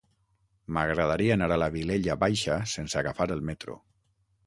M'agradaria anar a la Vilella Baixa sense agafar el metro.